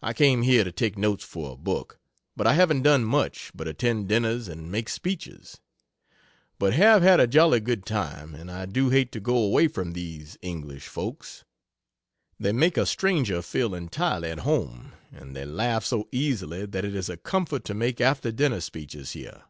I came here to take notes for a book, but I haven't done much but attend dinners and make speeches. But have had a jolly good time and I do hate to go away from these English folks; they make a stranger feel entirely at home and they laugh so easily that it is a comfort to make after dinner speeches here.